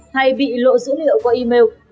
hay bị lộ dữ liệu qua email